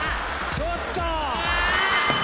ちょっと。